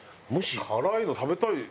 辛いの食べたい。